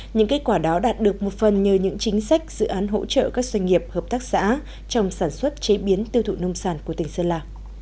những kết quả đó đạt được một phần nhờ những chính sách dự án hỗ trợ các doanh nghiệp hợp tác xã trong sản xuất chế biến tiêu thụ nông sản của tỉnh sơn la